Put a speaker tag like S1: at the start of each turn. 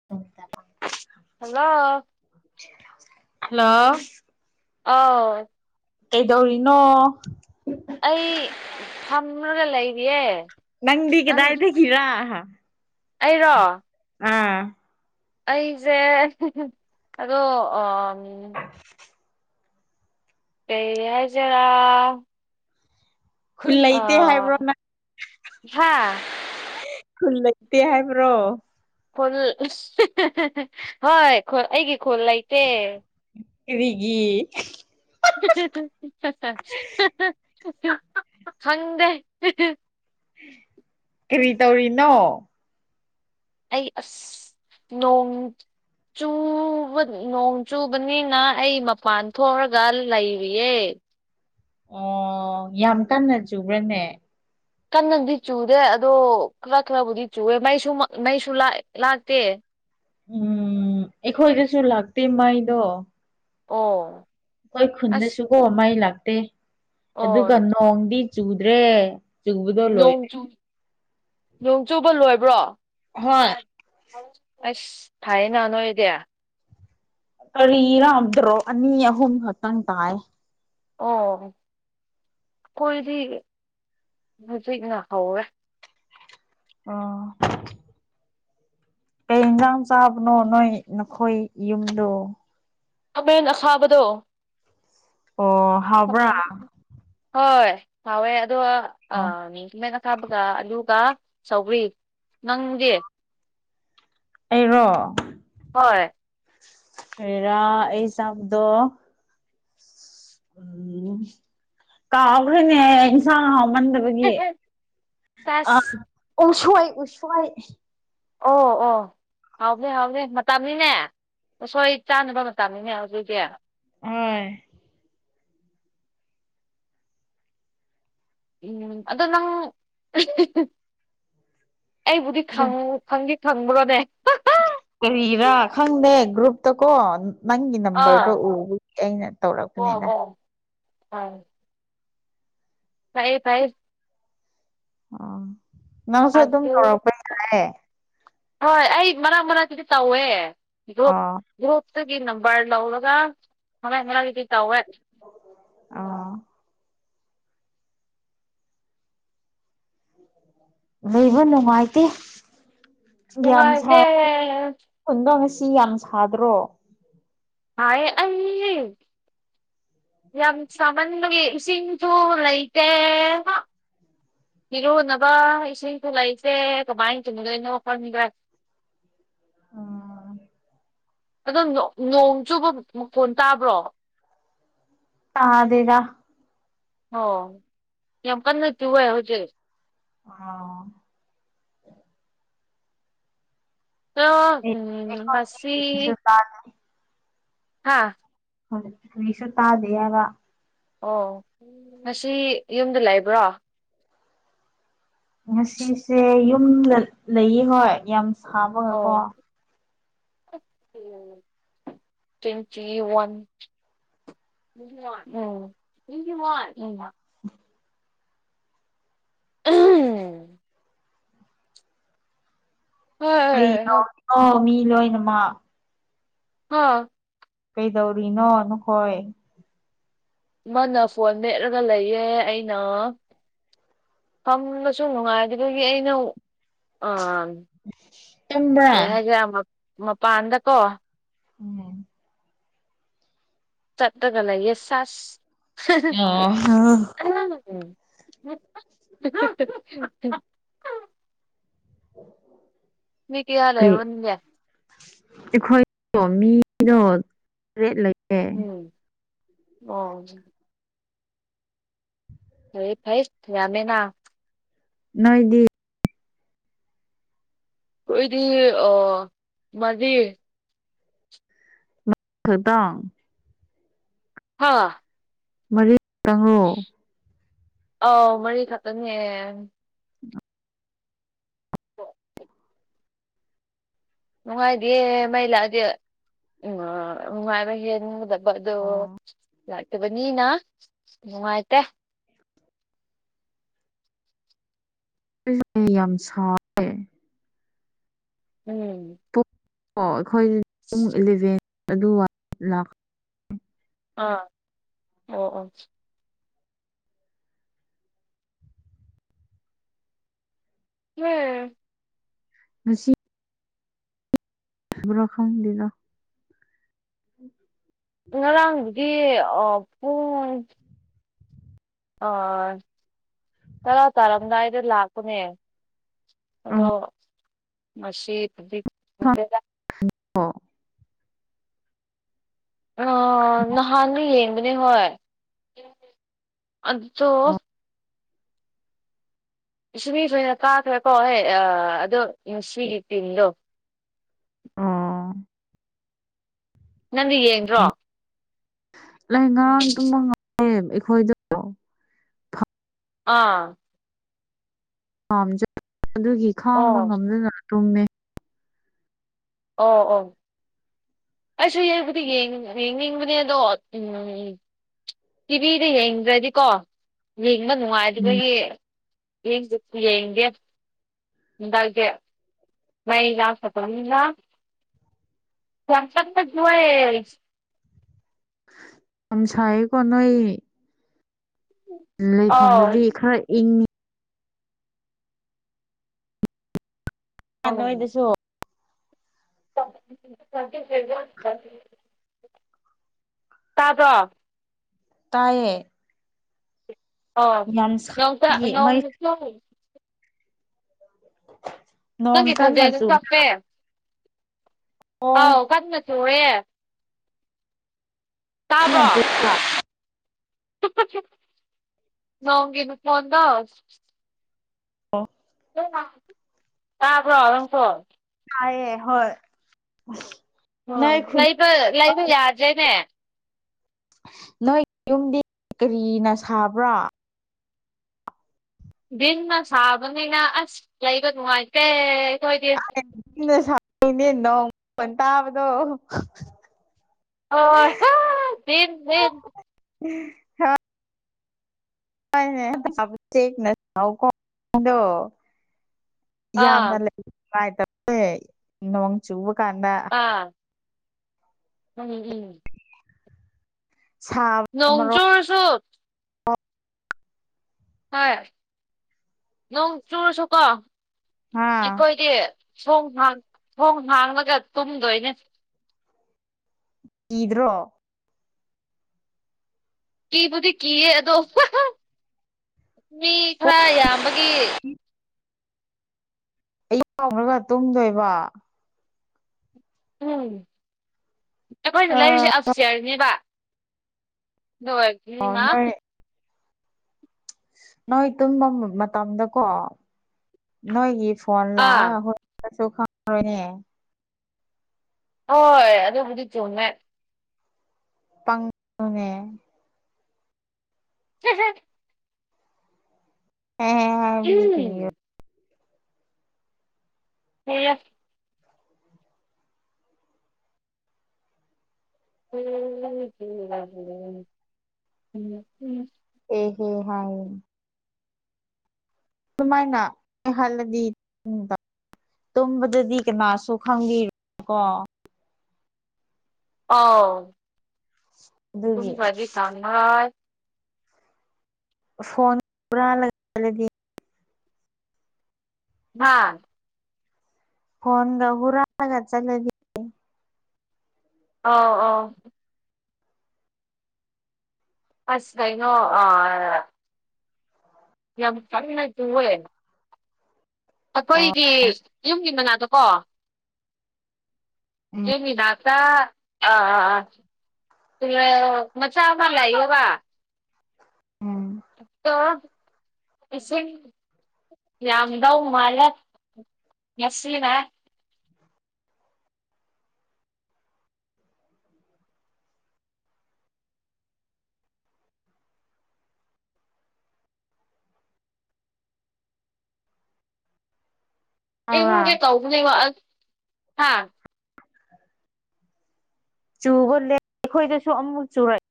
S1: [inaudible]
S2: Hello.
S1: Hello.
S2: ꯑꯥꯎ꯫
S1: ꯀꯩꯗꯧꯔꯤꯅꯣ꯫
S2: ꯑꯩ ꯐꯝꯂꯒ ꯂꯩꯔꯤꯌꯦ꯫
S1: ꯅꯪꯗꯤ
S2: ꯅꯪ
S1: ꯀꯗꯥꯏꯗꯒꯤꯔ꯫
S2: ꯑꯩꯔꯣ꯫
S1: ꯑꯥ꯫
S2: ꯑꯩꯁꯦ ꯑꯗꯣ [unintelligible]
S1: [inaudible]
S2: ꯀꯩ ꯍꯥꯏꯁꯤꯔ꯫
S1: ꯈꯨꯜ ꯂꯩꯇꯦ
S2: ꯑꯥ
S1: ꯍꯥꯏꯕ꯭ꯔꯣ ꯅꯪ
S2: ꯍꯥ꯫
S1: ꯈꯨꯜ ꯂꯩꯇꯦ ꯍꯥꯏꯕ꯭ꯔꯣ
S2: ꯈꯨꯜ [unintelligible] ꯍꯣꯏ ꯑꯩꯒꯤ ꯈꯨꯜ ꯂꯩ ꯇꯦ
S1: ꯀꯔꯤꯒꯤ
S2: [unintelligible] ꯍꯪꯗꯦ
S1: ꯀꯔꯤ ꯇꯧꯔꯤꯅꯣ
S2: ꯑꯩ ꯑꯁ ꯅꯣꯡ ꯆꯨ ꯕ ꯅꯣꯡ ꯆꯨꯕꯅꯤꯅ ꯑꯩ ꯃꯄꯥꯟ ꯊꯣꯛꯔꯒ ꯂꯩꯔꯤꯌꯦ
S1: ꯑꯣ ꯌꯥꯝ ꯀꯟꯅ ꯆꯨꯕ꯭ꯔꯅꯦ
S2: ꯀꯟꯅꯗꯤ ꯆꯨꯗꯦ ꯑꯗꯣ ꯈꯔ ꯈꯔꯕꯨꯗꯤ ꯆꯨꯋꯦ ꯃꯩꯁꯨ ꯃꯩꯁꯨ ꯂꯥꯛ ꯂꯥꯛꯇꯦ
S1: ꯎꯝ ꯑꯩꯈꯣꯏꯗꯁꯨ ꯂꯥꯛꯇꯦ ꯃꯩꯗꯣ
S2: ꯑꯣ
S1: ꯑꯩꯈꯣꯏ
S2: ꯑꯁ
S1: ꯈꯨꯟꯗꯁꯨꯨꯀꯣ ꯃꯩ ꯂꯥꯛꯇꯦ
S2: ꯑꯣ
S1: ꯑꯗꯨꯒ ꯅꯣꯡꯗꯤ ꯆꯨꯗ꯭ꯔꯦ ꯆꯨꯕꯗꯣ
S2: ꯅꯣꯡ
S1: ꯂꯣꯏꯔꯦ
S2: ꯆꯨ ꯅꯣꯡ ꯆꯨꯕ ꯂꯣꯏꯕ꯭ꯔꯣ
S1: ꯍꯣꯏ
S2: ꯑꯁ ꯊꯥꯏꯌꯦꯅ ꯅꯣꯏꯗꯤ
S1: ꯀꯔꯤꯔꯗ꯭ꯔꯣ ꯑꯅꯤ ꯑꯍꯨꯝ ꯈꯛꯇꯪ ꯇꯥꯏ
S2: ꯑꯣ ꯑꯩꯈꯣꯏꯗꯤ ꯍꯧꯖꯤꯛꯅ ꯍꯧꯋꯦ
S1: ꯑꯣ ꯀꯩ ꯌꯦꯟꯖꯥꯡ ꯆꯥꯕꯅꯣ ꯅꯣꯏ ꯅꯈꯣꯏ ꯌꯨꯝꯗꯣ
S2: ꯈꯥꯃꯦꯟ ꯑꯈꯥꯕꯗꯣ
S1: ꯑꯣ ꯍꯥꯎꯕ꯭ꯔꯥ
S2: [unintelligible] ꯍꯣꯏ ꯐꯥꯎꯋꯦ ꯑꯗꯨꯒ
S1: ꯑꯣ
S2: ꯑ ꯀꯥꯕꯒ ꯑꯗꯨꯒ ꯁꯧꯒ꯭ꯔꯤ ꯅꯪꯗꯤ
S1: ꯑꯩꯔꯣ
S2: ꯍꯣꯏ
S1: ꯀꯔꯤꯔꯥ ꯑꯩ ꯆꯥꯕꯗꯣ ꯎꯝ ꯀꯥꯎꯒ꯭ꯔꯦꯅꯦ ꯏꯟꯁꯥꯡ ꯍꯥꯎꯃꯟꯗ ꯈꯣꯏꯒꯤ ꯑ
S2: ꯆꯥꯁ
S1: ꯎꯁꯣꯏ ꯎꯁꯣꯏ
S2: ꯑꯣ ꯑꯣ ꯍꯥꯎꯕꯅꯦ ꯍꯥꯎꯕꯅꯦ ꯃꯇꯝꯅꯤꯅꯦ ꯎꯁꯣꯏ ꯆꯥꯅꯕ ꯃꯇꯝꯅꯤꯅꯦ ꯍꯧꯖꯤꯛꯇꯤ
S1: ꯑꯣꯏ
S2: ꯎꯝ ꯑꯗꯣ ꯅꯪ [unintelligible] ꯑꯩꯕꯨꯗꯤ ꯈꯪ ꯈꯪꯗꯤ ꯈꯪꯕ꯭ꯔꯣꯅꯦ
S1: ꯀꯔꯤꯔꯥ ꯈꯪꯗꯦ ꯒ꯭ꯔꯨꯞꯇ ꯀꯣ ꯅꯪꯒꯤ ꯅꯝꯕꯔꯗꯣ
S2: ꯑꯥ
S1: ꯎꯕꯒꯤ ꯑꯩꯅ
S2: ꯑꯣ
S1: ꯇꯧꯔꯛꯄꯅꯤꯗ
S2: ꯑꯣ [unintelligible] ꯐꯩꯌꯦ ꯐꯩꯩ
S1: ꯑꯥ
S2: ꯑꯗꯨ ꯍꯣꯏ ꯑꯩ ꯃꯔꯛ ꯃꯔꯛꯇꯗꯤ ꯇꯧꯋꯦ ꯒ꯭ꯔꯨꯞ
S1: ꯑꯣ
S2: ꯒ꯭ꯔꯨꯞꯇꯨꯒꯤ ꯅꯝꯕꯔ ꯂꯧꯔꯒ ꯈꯔ ꯈꯔꯗꯤ ꯇꯧꯋꯦ
S1: ꯑꯥ ꯂꯩꯕ ꯅꯨꯡꯉꯥꯏꯇꯦ ꯌꯥꯝ ꯁꯥ
S2: ꯅꯨꯡꯉꯥꯏꯇꯦ
S1: ꯑꯗꯣ ꯉꯁꯤ ꯌꯥꯝ ꯁꯥꯗ꯭ꯔꯣ
S2: ꯁꯥꯏꯌꯦ ꯑꯩ ꯌꯥꯝ ꯁꯥꯃꯟꯕꯒꯤ ꯏꯁꯤꯡꯁꯨ ꯂꯩꯇꯦ ꯏꯔꯨꯅꯕ ꯏꯁꯤꯡꯁꯨ ꯂꯩꯇꯦ ꯀꯃꯥꯏ ꯇꯨꯝꯗꯣꯏꯅꯣ ꯈꯪꯗ꯭ꯔꯦ
S1: ꯑ
S2: ꯑꯗꯣ ꯅꯣ ꯅꯣꯡ ꯆꯨꯕ ꯃꯈꯣꯟ ꯇꯥꯕ꯭ꯔꯣ
S1: ꯇꯥꯗꯦꯗ
S2: ꯑꯣ ꯌꯥꯝ ꯀꯟꯅ ꯇꯨꯋꯦ ꯍꯧꯖꯤꯛ
S1: ꯑꯥ
S2: ꯍꯣ
S1: ꯑꯩ
S2: ꯎꯝ
S1: ꯑꯩꯈꯣꯏꯗꯤ
S2: ꯃꯁꯤ
S1: ꯀꯔꯤꯁꯨ ꯇꯥꯗꯦ
S2: ꯍꯥꯥ
S1: ꯀꯔꯤꯁꯨ ꯇꯥꯗꯦ ꯍꯥꯏꯕ
S2: ꯑꯣ ꯉꯁꯤ ꯌꯨꯝꯗ ꯂꯩꯕꯔꯣ
S1: ꯉꯁꯤꯁꯦ ꯌꯨꯝꯗ ꯂꯩꯌꯦ ꯍꯣꯏ ꯌꯥꯝ ꯁꯥꯕꯒ ꯀꯣ
S2: ꯇꯨꯋ‌ꯦꯟꯇꯤ ꯋꯥꯟ [unintelligible]
S1: [inaudible]
S2: ꯑꯍꯝ
S1: ꯀꯩꯅꯣꯗ‌ꯣ ꯃꯤ ꯂꯣꯏꯅꯃꯛ
S2: ꯍꯥ
S1: ꯀꯩꯗꯧꯔꯤꯅꯣ ꯅꯈꯣꯏ
S2: ꯃꯥꯅ ꯐꯣꯟ ꯃꯦꯠꯂꯒ ꯂꯩꯌꯦ ꯑꯩꯅ ꯐꯝꯕꯁꯨ ꯅꯨꯡꯉꯥꯏꯕꯗꯨꯒꯤ ꯑꯩꯅ ꯑꯥ
S1: ꯇꯨꯝꯕ꯭ꯔꯥ
S2: ꯀꯩ ꯍꯥꯏꯁꯤꯔ ꯃꯄꯥꯟ ꯃꯄꯥꯟꯗꯀꯣ
S1: ꯎꯝ
S2: ꯆꯠꯂꯒ ꯂꯩꯌꯦ ꯁꯥꯁ
S1: ꯑꯣ
S2: [unintelligible] ꯃꯤ ꯀꯩꯌꯥ ꯂꯩꯕꯅ‌ꯣꯅ‌ꯦ
S1: ꯑꯩꯈꯣꯏꯗ‌ꯣ ꯃꯤꯗꯣ ꯇꯔꯦꯠ ꯂꯩ
S2: ꯎꯝ ꯑ‌ꯣ ꯐꯩꯌ‌ꯦ ꯐꯩꯌ‌ꯦ ꯌꯥꯝꯃ‌ꯦꯅ
S1: ꯅꯣꯏꯗꯤ
S2: ꯈ‌ꯣꯏꯗꯤ ꯑꯣ ꯃꯥꯔꯤ
S1: ꯈꯛꯇꯥ
S2: ꯍꯥꯥ
S1: ꯃꯔꯤ ꯇꯪꯔ‌ꯣ
S2: ꯑꯥꯎ ꯃꯔꯤ ꯈꯛꯇꯪꯅꯦ
S1: [inaudible]
S2: [unintelligible] ꯅꯨꯡꯉꯥꯏꯗꯤꯌ‌ꯦ ꯃꯩ ꯂꯥꯛꯂꯗꯤ ꯎꯝ ꯑꯥꯥꯥꯥꯥ ꯅꯨꯡꯉꯥꯏꯕ ꯍꯦꯟꯒ ꯄꯗ‌ꯣ
S1: ꯑꯣ
S2: ꯂꯥꯛꯇꯕꯅꯤꯅ ꯅꯨꯡꯉꯥꯏꯇꯦ
S1: ꯑꯩꯁ‌ꯦ ꯌꯥꯝ ꯁꯥꯎꯌ‌ꯦ
S2: ꯎꯝ
S1: [unintelligible]
S2: ꯑꯥ ꯑꯣ ꯑꯣ ꯌ‌ꯦ
S1: ꯉꯁꯤ ꯁꯨꯕꯔ‌ꯣ ꯈꯪꯗ‌ꯦꯗ [inaudible]
S2: ꯉꯔꯥꯡꯗꯤ ꯑ‌ꯣ ꯄꯨꯡ ꯑꯣꯏ ꯇꯔꯥ ꯇꯥꯔꯝꯗꯥꯏꯗ ꯂꯥꯛꯄꯅꯦ ꯑꯗꯣ
S1: ꯑꯣ
S2: ꯉꯥꯁꯤꯗꯤ ꯈꯪꯗ‌ꯦ
S1: ꯍꯜꯂ‌ꯣ
S2: ꯑꯣ ꯅꯍꯥꯟꯗꯤ ꯌꯦꯡꯕꯅꯦ ꯍꯣꯏ ꯑꯗꯣ ꯃꯤꯁꯨꯂꯤꯝ ꯈ‌ꯣꯏꯅ ꯀꯥꯈ꯭ꯔꯦꯀꯣ ꯍꯣꯏ ꯑꯥ ꯑꯗꯣ ꯉꯁꯤꯒꯤ ꯇꯤꯝꯗꯣ
S1: ꯑꯣ
S2: ꯅꯪꯗꯤ ꯌꯦꯡꯗꯔꯣ
S1: ꯑꯩ ꯉꯔꯥꯡ ꯇꯨꯝꯃꯝꯃ‌ꯦ ꯑꯩꯈꯣꯏꯗ‌ꯣ
S2: ꯑꯥ
S1: ꯄꯥꯝ ꯆꯠꯄ ꯑꯗꯨꯒꯤ ꯈꯥꯡꯕ
S2: ꯑꯣ
S1: ꯉꯝꯗꯅ ꯇꯨꯝꯃꯦ
S2: ꯑꯣ ꯑꯣ ꯑꯩꯁꯨ ꯌꯦꯡꯕꯨꯗꯤ ꯌꯦꯡ ꯌꯦꯡꯅꯤꯡꯕꯅꯦ ꯑꯗꯣ ꯎꯝ ꯇꯤꯚꯤꯗ ꯌꯦꯡꯗ꯭ꯔꯗꯤꯀꯣ ꯌꯦꯡꯕ
S1: ꯎꯝ
S2: ꯅꯨꯡꯉꯥꯏꯇꯕꯒꯤ ꯌꯦꯡꯒꯦꯁꯨ ꯌꯦꯡꯗꯦ ꯍꯟꯗꯛꯇꯤ ꯃꯩ ꯂꯥꯛꯇꯕꯅꯤꯅꯥ ꯋꯥꯆꯞꯇꯥ [unintelligible]
S1: ꯌꯥꯝ ꯁꯥꯌꯦꯀꯣ ꯅꯣꯏ ꯂꯩꯐꯝꯗꯨꯗꯤ ꯈꯔ ꯏꯪꯉꯤ ꯑ ꯅꯣꯏꯗꯁꯨ
S2: [unintelligible] ꯇꯥꯕ꯭ꯔꯣ
S1: ꯇꯥꯌꯦ
S2: ꯑꯣ ꯌꯣꯡꯆꯥꯛ
S1: ꯁꯥꯕꯒꯤ ꯃꯩ
S2: ꯌꯣꯡ [unintelligible]
S1: ꯅꯣꯡ
S2: ꯅꯪꯒꯤ
S1: ꯀꯟꯅ
S2: ꯈꯣꯟꯖꯦꯜꯗꯣ
S1: ꯆꯨꯕ꯭ꯔꯣ
S2: ꯆꯞꯄꯦ ꯑꯥꯎ ꯀꯟꯅ ꯆꯨꯌꯦ ꯇꯥꯕ꯭ꯔꯣ
S1: ꯅꯖꯨ
S2: ꯅꯣꯡꯒꯤ ꯃꯈꯣꯟꯗꯣ
S1: ꯑꯣ
S2: ꯇꯥꯕ꯭ꯔꯣ ꯅꯪꯁꯨ
S1: ꯇꯥꯌꯦ ꯍꯣꯏ
S2: ꯑꯣ
S1: ꯅꯣꯏ ꯈꯨꯟ
S2: ꯂꯩꯕ ꯂꯩꯕ ꯌꯥꯗ꯭ꯔꯦꯅꯦ
S1: ꯅꯣꯏ ꯌꯨꯝꯗꯤ ꯀꯔꯤꯅ ꯁꯥꯕ꯭ꯔꯥ
S2: ꯕꯤꯟꯅ ꯁꯥꯕꯅꯤꯅ ꯑꯁ ꯂꯩꯕ ꯅꯨꯡꯉꯥꯏꯇꯦ
S1: [unintelligible] ꯅꯥ ꯁꯥ [unintelligible] ꯅꯦ ꯅꯣꯡ [unintelligible] ꯇꯥꯕꯗꯣ
S2: ꯑꯣꯏ ꯍꯣꯏ ꯗꯤꯟ ꯗꯤꯟ
S1: [inaudible] ꯍꯣꯏꯅꯦ [unintelligible] ꯌꯥꯝꯅ
S2: ꯑꯥ
S1: ꯂꯩ ꯅꯨꯡꯉꯥꯏꯇꯝꯅꯦ ꯅꯣꯡ ꯆꯨꯕ ꯀꯥꯟꯗ
S2: ꯑꯥ ꯎꯝ ꯎꯝ
S1: ꯁꯥꯕ
S2: ꯅꯣꯡ ꯆꯨꯔꯁꯨ ꯍꯣꯏ ꯅꯣꯡ ꯆꯨꯔ ꯁꯨꯀꯣ
S1: ꯍꯥ
S2: ꯑꯩꯈꯣꯏꯗꯤ ꯊꯣꯡ ꯍꯥꯡ ꯊꯣꯡ ꯍꯥꯡꯂꯒ ꯇꯨꯝꯗꯣꯏꯅꯦ
S1: ꯏꯗ꯭ꯔꯣ
S2: ꯀꯤꯕꯨꯗꯤ ꯀꯤꯌꯦ ꯑꯗꯣ ꯃꯤ ꯈꯔ ꯌꯥꯝꯕꯒꯤ
S1: ꯑ [unintelligible] ꯈꯔꯒ ꯇꯨꯝꯗꯣꯏꯕ
S2: ꯎꯝ ꯑꯩꯈꯣꯏꯅ ꯂꯩꯔꯤꯁꯦ ꯑꯞ ꯁꯇ꯭ꯌꯔ ꯅꯦꯕ ꯗꯨ ꯑꯣꯏꯗꯤꯅꯥ
S1: ꯅꯣꯏ ꯅꯣꯏ ꯇꯨꯝꯕ ꯃꯇꯝꯗꯀꯣ ꯅꯣꯏꯒꯤ ꯐꯣꯟ ꯂꯥꯛꯑ
S2: ꯑꯥ
S1: ꯍꯣꯏ ꯀꯁꯨ ꯈꯪꯉꯣꯏꯌꯦ
S2: ꯍꯣꯏ ꯑꯗꯨꯕꯨꯗꯤ ꯆꯨꯝꯃꯦ
S1: ꯄꯪ [unintelligible] ꯅꯦ
S2: [inaudible]
S1: ꯍꯦ ꯍꯦ ꯍꯥꯏꯕꯗꯤ ꯀꯔꯤꯔꯥ
S2: ꯐꯩꯌꯦ [unintelligible]
S1: ꯑꯦ ꯍꯦ ꯍꯥꯏ ꯑꯗꯨꯃꯥꯏꯅ ꯍꯜꯂꯗꯤ [unintelligible] ꯇꯨꯝꯕꯗꯗꯤ ꯀꯅꯥꯁꯨ ꯈꯪꯕꯤꯔꯣ ꯀꯣ
S2: ꯑꯧ
S1: ꯑꯗꯨꯒꯤ
S2: ꯇꯨꯝꯈꯔ꯭ꯗꯤ ꯈꯪꯔꯣꯏ
S1: ꯐꯣꯟ ꯍꯨꯔꯥꯜꯂꯒꯂꯗꯤ
S2: ꯍꯥꯥ
S1: ꯐꯣꯟꯒ ꯍꯔꯒ ꯆꯂꯦꯗꯤ
S2: ꯑꯥꯎ ꯑꯥ ꯑꯁ ꯀꯩꯅꯣ ꯑꯥ ꯌꯥꯝ ꯐꯔꯥꯏ ꯍꯋꯦ
S1: ꯑꯣ
S2: ꯑꯩꯈꯣꯏꯗꯤ ꯌꯨꯝꯒꯤ ꯃꯅꯥꯗꯣꯀꯣ ꯀꯅꯤꯗꯥꯛꯇ ꯑ ꯑꯥ ꯑꯥ ꯃꯆꯥ ꯐꯂꯏꯕ
S1: ꯎꯝ
S2: ꯑ ꯏꯁ ꯌꯥꯝꯗꯧ ꯃꯥꯜꯂꯦ ꯉꯁꯤꯅꯦ
S1: ꯇꯥꯕ꯭ꯔꯥ
S2: ꯑꯩꯐꯨꯒꯦ ꯇꯦꯕꯅꯦꯕꯥ ꯑꯁ ꯍꯥꯥ
S1: ꯆꯨꯕ ꯂꯦꯞ ꯑꯩꯈꯣꯏꯗꯁꯨ ꯑꯃꯨꯛ ꯆꯨꯔꯛ